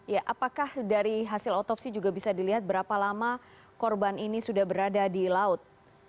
ya apakah dari hasil otopsi juga bisa dilihat berapa lama korban ini sudah berada di laut